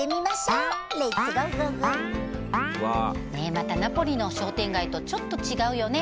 またナポリの商店街とちょっと違うよね。